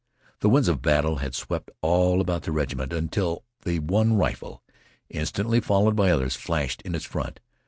The winds of battle had swept all about the regiment, until the one rifle, instantly followed by others, flashed in its front.